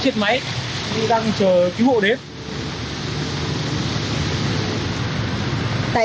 chúc quý vị và các bạn theo kinh nghiệm của chúng tôi